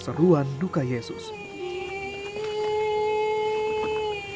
sejauh kemah yang dianggap sebagai perjalanan hidup